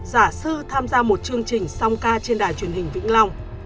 giả sư tham gia một chương trình song ca trên đài truyền hình vĩnh long